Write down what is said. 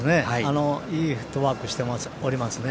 いいフットワークしておりますね。